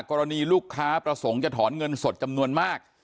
กรณีลูกค้าประสงค์จะถอนเงินสดจำนวนมาก